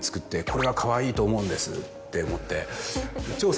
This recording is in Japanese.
これはかわいいと思うんですって思って。